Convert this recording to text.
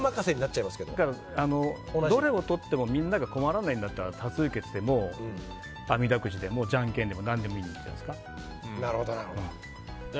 どれをとっても、みんなが困らないんだったら多数決でもあみだくじでも、じゃんけんでも何でもいいんじゃないですか。